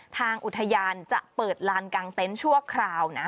ทางอุทยานจะเปิดลานกลางเต็นต์ชั่วคราวนะ